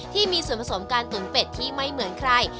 ที่มีส่วนผสมการตุ๋นเป็ดที่ไม่เหมือนใคร